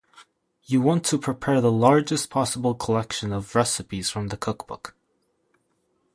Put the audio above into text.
You want to prepare the largest possible collection of recipes from the cook-book.